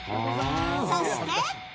そして。